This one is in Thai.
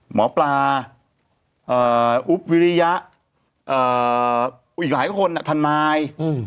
หมอปลาอุ๊บวิริยะอีกหลายคนทนาย